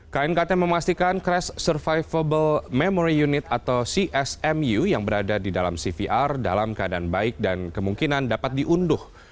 knkt memastikan crash survivable memory unit atau csmu yang berada di dalam cvr dalam keadaan baik dan kemungkinan dapat diunduh